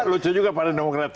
lucu juga partai demokrat